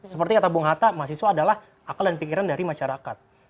seperti kata bung hatta mahasiswa adalah akal dan pikiran dari masyarakat